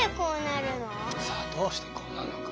さあどうしてこうなるのか。